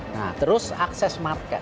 nah terus akses market